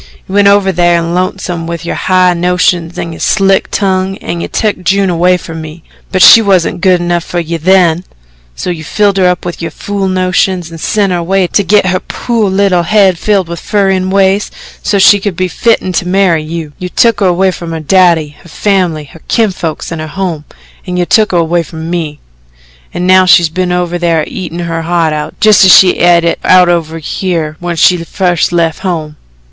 "You went over thar in Lonesome with your high notions an' your slick tongue, an' you took June away from me. But she wusn't good enough fer you THEN so you filled her up with yo' fool notions an' sent her away to git her po' little head filled with furrin' ways, so she could be fitten to marry you. You took her away from her daddy, her family, her kinfolks and her home, an' you took her away from me; an' now she's been over thar eatin' her heart out just as she et it out over here when she fust left home.